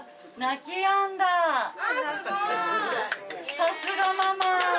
さすがママ。